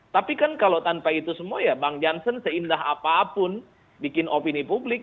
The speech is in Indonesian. tapi kan kalau tanpa itu semua ya bang jansen seindah apapun bikin opini publik